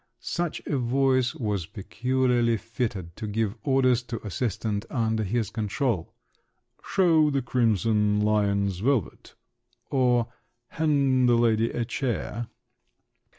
Such a voice was peculiarly fitted to give orders to assistants under his control: "Show the crimson Lyons velvet!" or, "Hand the lady a chair!"